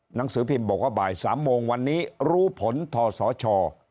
หนังสือพิมพ์บอกว่าบ่าย๓โมงวันนี้รู้ผลทศช